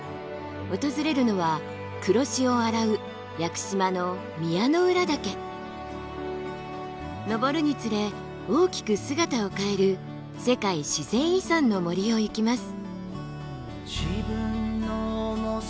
訪れるのは黒潮洗う登るにつれ大きく姿を変える世界自然遺産の森を行きます。